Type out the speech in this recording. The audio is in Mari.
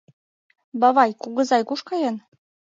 — Бавай, кугызай куш каен?